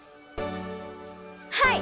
はい！